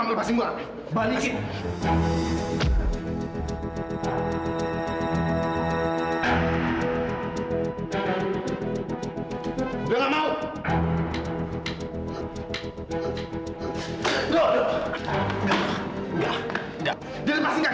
lepasin gua sekarang